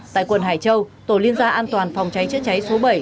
tại quận hải châu tổ liên gia an toàn phòng cháy chữa cháy số bảy